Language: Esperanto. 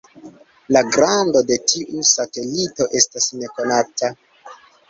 La grando de tiu satelito estas nekonata.